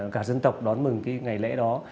cả dân tộc đón mừng cái ngày lễ đó